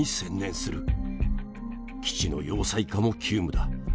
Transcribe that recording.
基地の要塞化も急務だ。